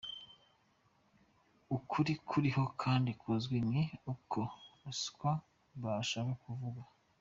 Ukuri kuriho kandi kuzwi ni uko ari Ruswa ba bashaka kuvuga.